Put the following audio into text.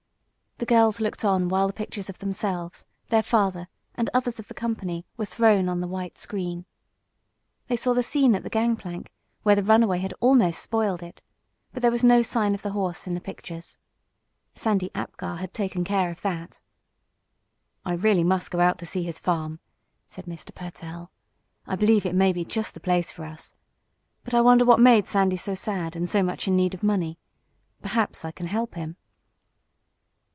The girls looked on while the pictures of themselves, their father and others of the company were thrown on the white screen. They saw the scene at the gang plank, where the runaway had almost spoiled it, but there was no sign of the horse in the pictures. Sandy Apgar had taken care of that. "I really must go out to see his farm," said Mr. Pertell. "I believe it may be just the place for us. But I wonder what made Sandy so sad, and so much in need of money? Perhaps I can help him."